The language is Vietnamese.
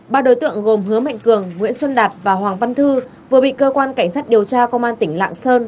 ba đối tượng gồm hứa mạnh cường nguyễn xuân đạt và hoàng văn thư vừa bị cơ quan cảnh sát điều tra công an tỉnh lạng sơn